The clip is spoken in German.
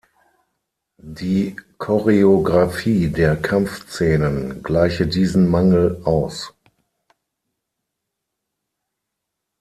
Die Choreografie der Kampfszenen gleiche diesen Mangel aus.